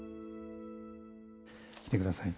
聴いてください